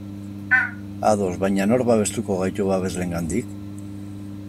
Ados, baina nork babestuko gaitu babesleengandik?